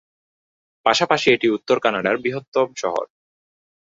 পাশাপাশি এটি উত্তর কানাডার বৃহত্তম শহর।